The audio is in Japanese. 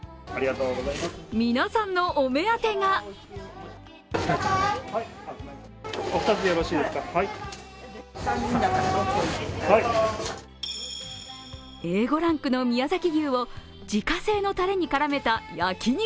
皆さんのお目当てがＡ５ランクの宮崎牛を自家製のたれに絡めた焼肉